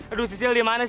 aduh sisil di mana sih